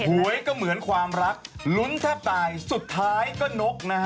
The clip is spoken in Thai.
หวยก็เหมือนความรักลุ้นแทบตายสุดท้ายก็นกนะฮะ